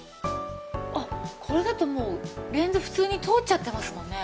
あっこれだともうレンズ普通に通っちゃってますもんね。